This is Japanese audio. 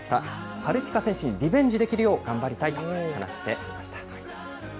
パルティカ選手にリベンジできるよう頑張りたいと話していました。